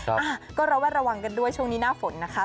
อ่ะก็ระแวดระวังกันด้วยช่วงนี้หน้าฝนนะคะ